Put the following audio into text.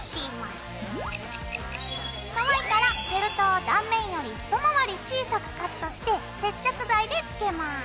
乾いたらフェルトを断面より一回り小さくカットして接着剤でつけます。